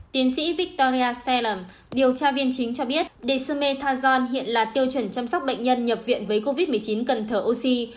tiến sĩ victoria salem điều tra viên chính cho biết dexamethasone hiện là tiêu chuẩn chăm sóc bệnh nhân nhập viện với covid một mươi chín cần thở oxy